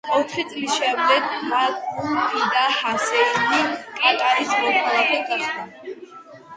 ოთხი წლის შემდეგ მაქბულ ფიდა ჰასეინი კატარის მოქალაქე გახდა.